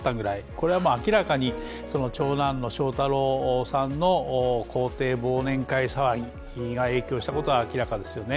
これは明らかに、長男の翔太郎さんの公邸忘年会騒ぎが影響したことは明らかですよね。